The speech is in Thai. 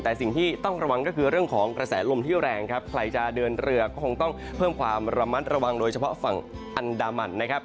แต่สิ่งที่ต้องระวังก็คือเรื่องของกระแสลมที่แรงครับใครจะเดินเรือก็คงต้องเพิ่มความระมัดระวังโดยเฉพาะฝั่งอันดามันนะครับ